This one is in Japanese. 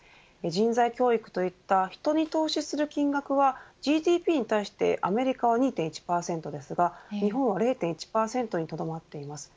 人材教育といった、人に投資する金額はＧＤＰに対してアメリカは２．１％ですが日本は０．１％にとどまっています。